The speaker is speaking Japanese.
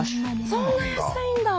そんな安いんだ！